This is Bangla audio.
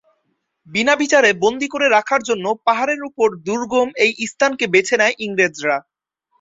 বিনা বিচারে বন্দী করে রাখার জন্যে পাহাড়ের ওপর দুর্গম এই স্থানকে বেছে নেয় ইংরেজরা।